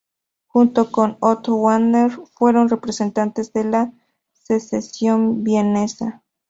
Junto con Otto Wagner fueron representantes de la Sezession vienesa.